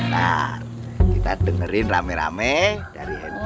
nah kita dengerin rame rame dari nu